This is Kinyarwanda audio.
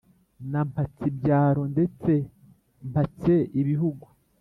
na mpatsibyaro ndetse mpatse ibihugu.